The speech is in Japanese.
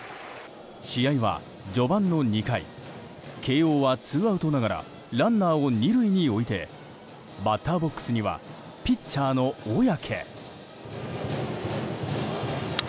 試合は序盤の２回慶應はツーアウトながらランナーを２塁に置いてバッターボックスにはピッチャーの小宅。